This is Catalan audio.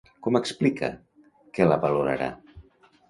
Com explica que la valorarà?